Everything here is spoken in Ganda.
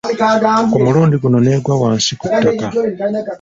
Ku mulundi guno n'egwa wansi ku ttaka.